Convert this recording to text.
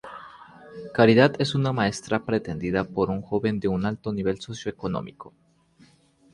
Caridad es una maestra pretendida por un joven de un alto nivel socioeconómico.